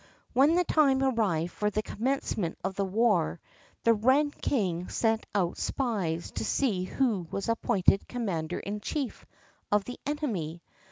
When the time arrived for the commencement of the war, the wren king sent out spies to see who was appointed commander in chief of the enemy.